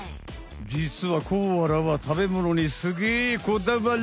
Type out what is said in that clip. じつはコアラはたべものにすげえこだわる！